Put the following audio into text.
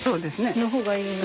の方がいいよね？